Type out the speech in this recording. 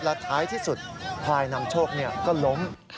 และท้ายที่สุดพลายนำโชคก็ล้ม